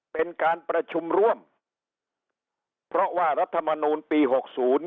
เป็นการประชุมร่วมเพราะว่ารัฐมนูลปีหกศูนย์